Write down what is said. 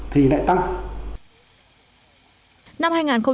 thì lại tăng hơn